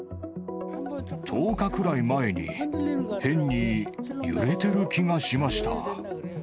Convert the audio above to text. １０日くらい前に、変に揺れてる気がしました。